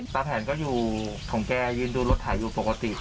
แผนก็อยู่ของแกยืนดูรถถ่ายอยู่ปกติ